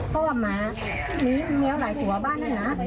ข้อหมามีแมวหลายสัวบ้าน